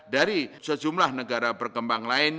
dari sejumlah negara berkembang lain